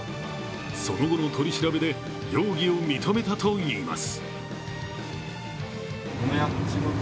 その後の取り調べで容疑を認めたといいます。